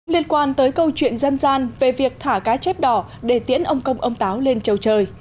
liên quan tới câu chuyện dân gian về việc thả cá chép đỏ để tiễn ông công ông táo lên trầu trời